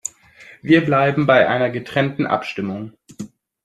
Wir bleiben bei einer getrennten Abstimmung.